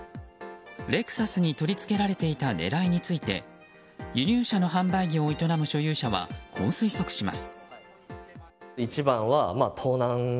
レクサスに取り付けられていた狙いについて輸入車の販売業を営む所有者はこう推測します。